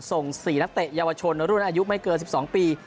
ส่ง๔นักเตะเยาวชนรุ่นอายุไม่เกิน๑๒ปี